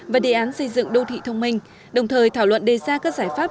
và đề án xây dựng đô thị thông minh đồng thời thảo luận đề ra các giải pháp